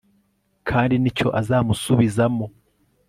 kandi ni cyo azamusubizamo